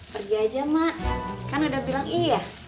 pergi aja mak kan udah bilang iya